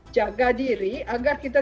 jaga diri agar kita